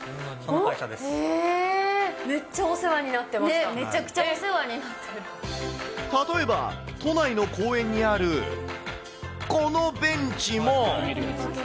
めちゃくちゃお世話になって例えば都内の公園にあるこのベンチも。